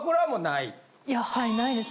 いやはいないです。